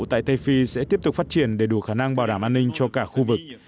tại tây phi sẽ tiếp tục phát triển để đủ khả năng bảo đảm an ninh cho cả khu vực